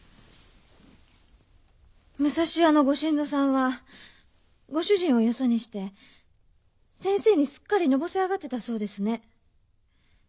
武蔵屋のご新造さんはご主人をよそにして先生にすっかりのぼせ上がってたそうですね。